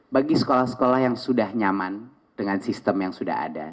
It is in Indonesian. bagi sekolah sekolah yang sudah nyaman dengan sistem yang sudah ada